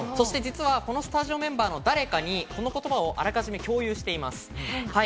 このスタジオメンバーの誰かにその言葉をあらかじめ共有しています。